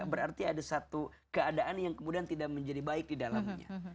berarti ada satu keadaan yang kemudian tidak menjadi baik di dalamnya